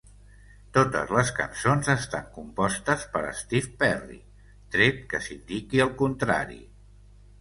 Totes les cançons estan compostes per Steve Perry, tret que s'indiqui el contrari.